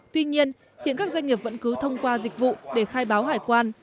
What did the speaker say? tuy nhiên hiện các doanh nghiệp vẫn cứ thông qua dịch vụ để khai báo hải quan